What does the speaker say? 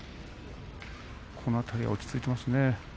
この辺り落ち着いていましたね。